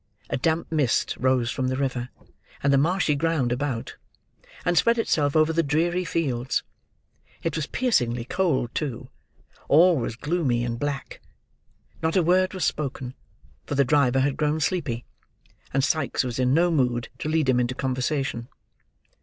A damp mist rose from the river, and the marshy ground about; and spread itself over the dreary fields. It was piercing cold, too; all was gloomy and black. Not a word was spoken; for the driver had grown sleepy; and Sikes was in no mood to lead him into conversation.